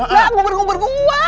lah ngubur ngubur gua